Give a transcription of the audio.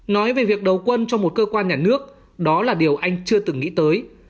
nói về việc đầu quân cho một cơ quan nhà nước đó là điều anh chưa từng nghĩ tới